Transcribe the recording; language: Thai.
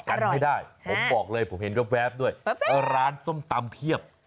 ไปกันให้ได้ผมบอกเลยผมเห็นรอบแวบด้วยเพราะร้านส้มตำเพียบ